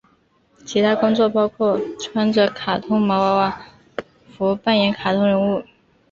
其他工作包括穿着卡通毛娃娃服扮演卡通人物。